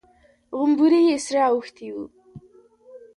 غومبري يې سره اوښتي وو.